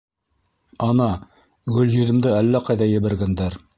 Ана, Гөлйөҙөмдө әллә ҡайҙа ебәргәндәр.